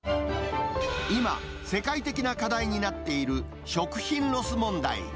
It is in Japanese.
今、世界的な課題になっている食品ロス問題。